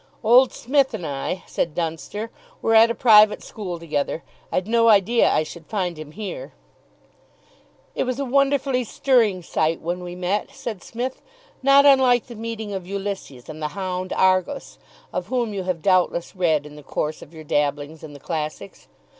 "Old Smith and I," said Dunster, "were at a private school together. I'd no idea I should find him here." "It was a wonderfully stirring sight when we met," said Psmith; "not unlike the meeting of Ulysses and the hound Argos, of whom you have doubtless read in the course of your dabblings in the classics.